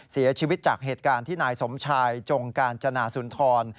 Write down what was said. เสียชีวิตจากเหตุการณ์ที่นายสมชายจงกาญจนาสุนทร